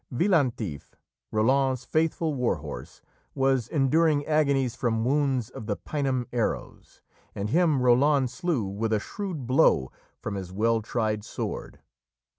Veillantif, Roland's faithful warhorse, was enduring agonies from wounds of the Paynim arrows, and him Roland slew with a shrewd blow from his well tried sword.